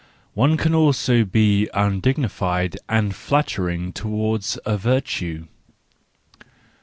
—One can also be undignified and flattering towards a virtue.